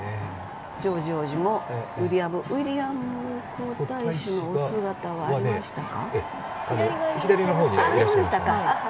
ジョージ王子もウィリアム皇太子のお姿はありましたか？